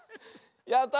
やった！